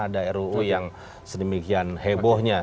belum pernah ada ruu yang sedemikian hebohnya